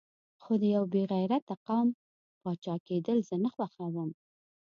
خو د یو بې غیرته قوم پاچا کېدل زه نه خوښوم.